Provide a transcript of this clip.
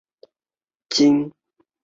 秦王政也任命李斯为客卿。